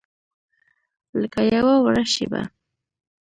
لکه یوه وړه شیبه